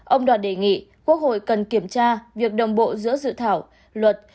ông đoàn đề nghị quốc hội cần kiểm tra việc đồng bộ giữa dự thảo luật